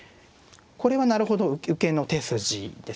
これはなるほど受けの手筋ですね。